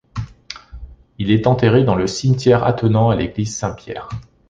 Il est enterré dans le cimetière attenant à l'église Saint-Pierre.